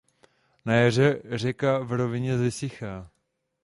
Na jaře řeka v rovině vysychá.